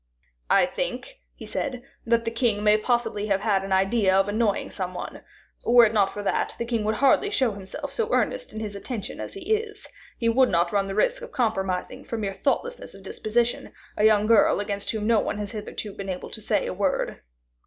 "I think," he said, "that the king may possibly have had an idea of annoying some one; were it not for that, the king would hardly show himself so earnest in his attentions as he is; he would not run the risk of compromising, from mere thoughtlessness of disposition, a young girl against whom no one has been hitherto able to say a word."